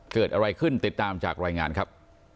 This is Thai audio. เกิดอะไรขึ้นติดตามจากรายงานครับ